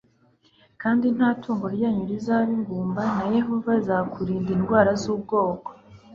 kandi nta tungo ryanyu rizaba ingumba n Yehova azakurinda indwara z ubwoko